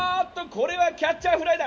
これはキャッチャーフライだ！